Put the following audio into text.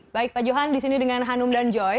baik pak johan di sini dengan hanum dan joy